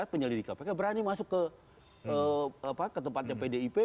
penyelidik kpk berani masuk ke tempatnya pdip